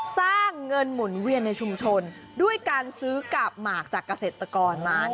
สร้างเงินหมุนเวียนในชุมชนด้วยการซื้อกาบหมากจากเกษตรกรมา